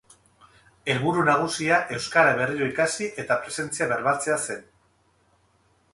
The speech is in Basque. Helburu nagusia euskara berriro ikasi eta presentzia bermatzea zen.